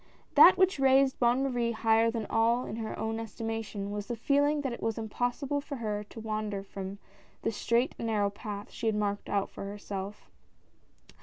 That which raised Bonne Marie higher than all in her own estimation, was the feeling that it was impossible for her to wander from 110 LUCI ANE. the straight and narrow path she had marked out for herself.